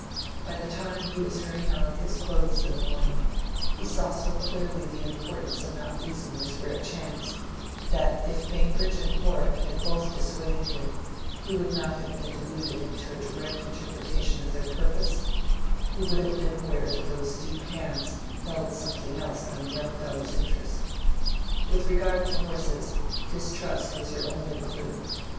By the time he was hurrying on his clothes in the morning, he saw so clearly the importance of not losing this rare chance, that if Bambridge and Horrock had both dissuaded him, he would not have been deluded into a direct interpretation of their purpose: he would have been aware that those deep hands held something else than a young fellow's interest. With regard to horses, distrust was your only clew.